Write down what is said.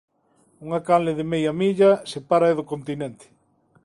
Unha canle de media milla sepáraa do continente.